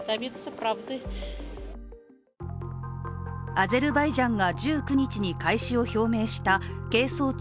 アゼルバイジャンが１９日に開始を表明した係争地